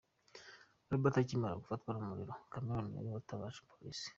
Robert akimara gufatwa n’umuriro, Chameleone ni we watabaje Polisi.